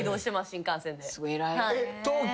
新幹線で。